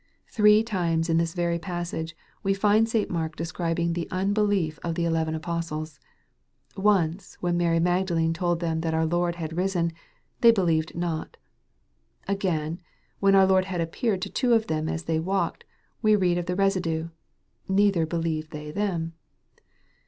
Three times in this very passage we find St. Mark describ ing the unbelief of the eleven apostles. Once, when Mary Magdalene told them that our Lord had risen, " they believed not." Again, when our Lord had appeared to two of them, as they walked, we read of the residue, " neither believed they them."